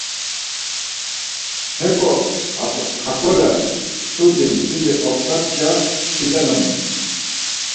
Hekol hakole mtsudimtini ognatşa çkimden ognit.